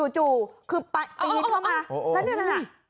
จู่คือปีนเข้ามาแล้วนั่นน่ะ